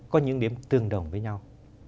có những điểm tương đồng với nhau